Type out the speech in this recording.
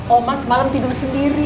oma semalam tidur sendiri